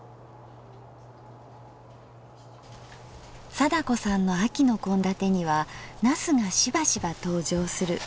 貞子さんの秋の献立には茄子がしばしば登場する。